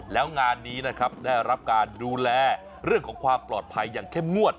แล้วงานนี้นะครับได้รับการดูแลเรื่องของความปลอดภัยอย่างเข้มงวด